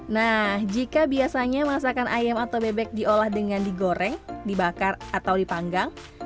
nah jika biasanya masakan ayam atau bebek diolah dengan digoreng dibakar atau dipanggang